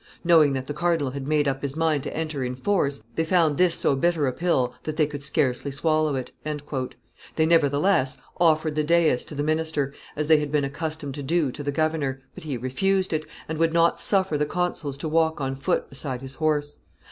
"Knowing that the cardinal had made up his mind to enter in force, they found this so bitter a pill that they could scarcely swallow it;" they, nevertheless, offered the dais to the minister, as they had been accustomed to do to the governor, but he refused it, and would not suffer the consuls to walk on foot beside his horse.